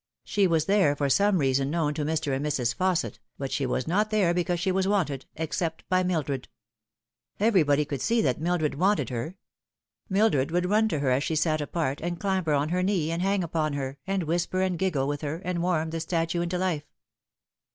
She was there for some reason known to Mr. and Mrs. Fausset, but she was not there because she was wanted except by Mildred. Everybody could see that Mildred wanted her. Mildred would run to her as she sat apart, and clambee on her knee, and hang upon her, and whisper and giggle with her, and warm the statue into life.